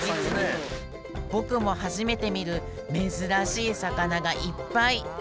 僕も初めて見る珍しい魚がいっぱい！